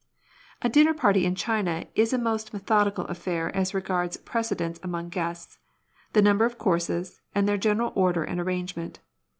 A dinner party in China is a most methodical affair as regards precedence among guests, the number of courses, and their general order and arrangement.